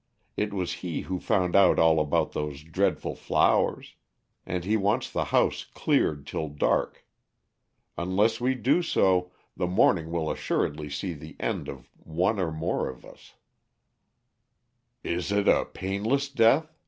It was he who found out all about those dreadful flowers. And he wants the house cleared till dark. Unless we do so, the morning will assuredly see the end of one or more of us." "Is it a painless death?"